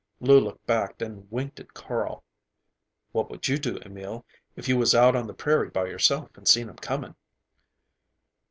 Lou looked back and winked at Carl. "What would you do, Emil, if you was out on the prairie by yourself and seen him coming?"